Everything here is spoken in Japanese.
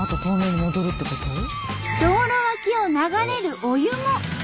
道路脇を流れるお湯も白。